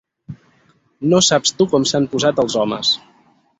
No saps tu com s'han posat els homes.